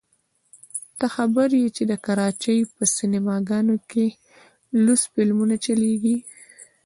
ته خبر يې چې د کراچۍ په سينما ګانو کښې لوڅ فلمونه چلېږي.